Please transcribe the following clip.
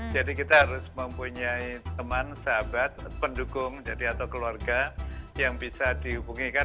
jadi kita harus mempunyai teman sahabat pendukung atau keluarga yang bisa dihubungi